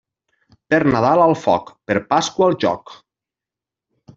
Per Nadal al foc, per Pasqua al jóc.